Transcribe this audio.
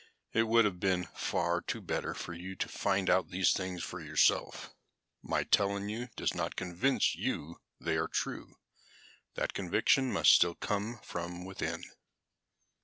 "It would have been far better for you to find out these things for yourself. My telling you does not convince you they are true. That conviction must still come from within."